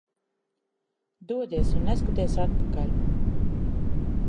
Dodies un neskaties atpakaļ.